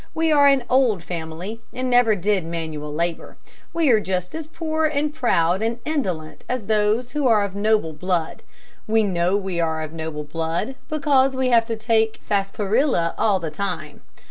We are an old family, and never did manual labor. We are just as poor and proud and indolent as those who are of noble blood. We know we are of noble blood because we have to take sarsaparilla all the time.